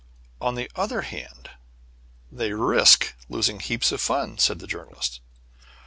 '" "On the other hand, they risk losing heaps of fun," said the Journalist.